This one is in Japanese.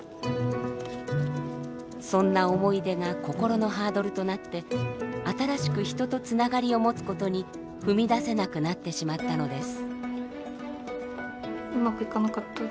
そんな思い出が心のハードルとなって新しく人とつながりを持つことに踏み出せなくなってしまったのです。